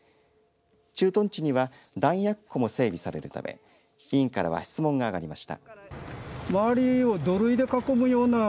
駐屯地には弾薬庫も整備されるため委員からは質問が上がりました。